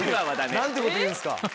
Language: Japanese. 何てこと言うんですか。